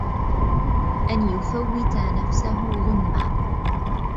أَنْ يُفَوِّتَ نَفْسَهُ غُنْمًا